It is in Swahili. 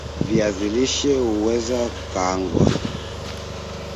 viazi lishe huweza hukaangwa